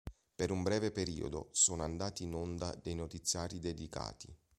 Per un breve periodo sono andati in onda dei notiziari dedicati.